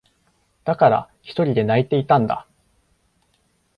だから、ひとりで泣いていたんだ。